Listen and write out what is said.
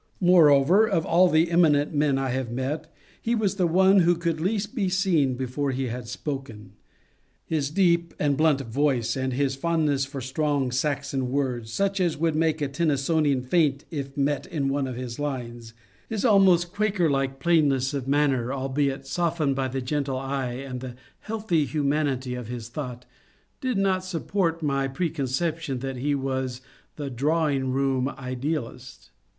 Moreover, of all the eminent men I have met, he was the one who could least be seen before he had spoken. His deep and blunt voice, and his fondness for strong Saxon words, such as would make a Tennysonian iaint if met in one of his lines, his almost Quaker like 36 MONCURE DANIEL CONWAY plainness of manner albeit softened by the gentle eye and the healthy humanity of his thought, did not support my precon ception that he was the drawing room idealist.